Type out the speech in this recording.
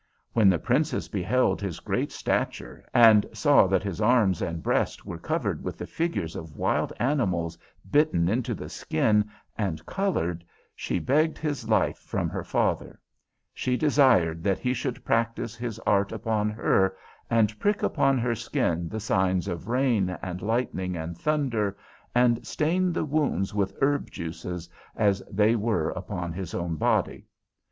When the Princess beheld his great stature, and saw that his arms and breast were covered with the figures of wild animals, bitten into the skin and coloured, she begged his life from her father. She desired that he should practise his art upon her, and prick upon her skin the signs of Rain and Lightning and Thunder, and stain the wounds with herb juices, as they were upon his own body.